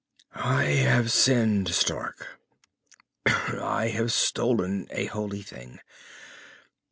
"I have sinned, Stark. I have stolen a holy thing.